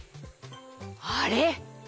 あれ？